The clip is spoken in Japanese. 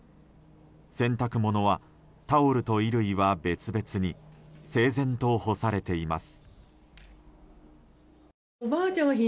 洗濯物はタオルと衣類は別々に整然と干されています。